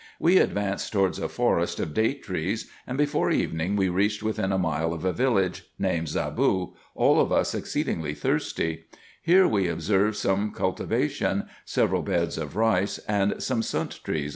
We advanced towards a forest of date trees, and before evening we reached within a mile of a village, named Zaboo, all of us exceedingly thirsty : here we observed some cultivation, several beds of rice, and some sunt trees, &c.